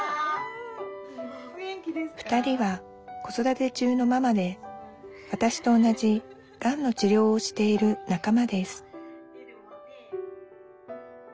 ２人は子育て中のママでわたしと同じがんの治療をしている仲間です